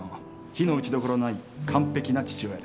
非の打ちどころのない完璧な父親です。